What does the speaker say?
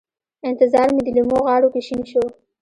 انتظار مې د لېمو غاړو کې شین شو